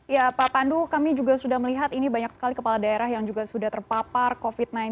ya pak pandu kami juga sudah melihat ini banyak sekali kepala daerah yang juga sudah terpapar covid sembilan belas